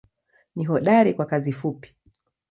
Ni hodari kwa kazi fupi.